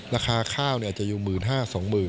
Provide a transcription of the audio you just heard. ราคาข้าวอาจจะอยู่๑๕๐๐๒๐๐๐